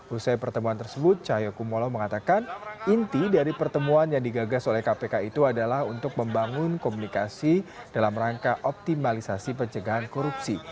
usai pertemuan tersebut cahaya kumolo mengatakan inti dari pertemuan yang digagas oleh kpk itu adalah untuk membangun komunikasi dalam rangka optimalisasi pencegahan korupsi